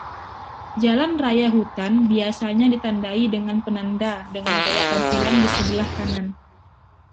Jalan raya hutan biasanya ditandai dengan penanda dengan gaya tampilan di sebelah kanan.